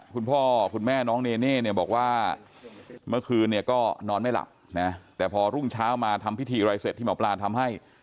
แต่พอรุ่งเช้ามาทำพิธีอะไรเสร็จที่หมอปลาทำให้